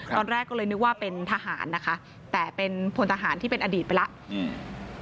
ตอนแรกก็เลยนึกว่าเป็นทหารนะคะแต่เป็นพลทหารที่เป็นอดีตไปแล้วอืม